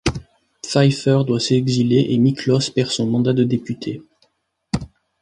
Pfeiffer doit s'exiler et Miklos perd son mandat de député.